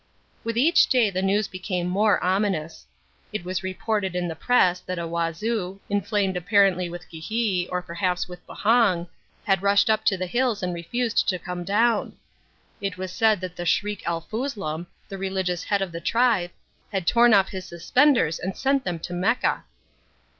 With each day the news became more ominous. It was reported in the Press that a Wazoo, inflamed apparently with ghee, or perhaps with bhong, had rushed up to the hills and refused to come down. It was said that the Shriek el Foozlum, the religious head of the tribe, had torn off his suspenders and sent them to Mecca.